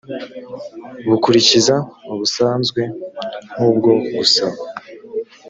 bukurikiza ubusanzwe nk’ubwo gusaba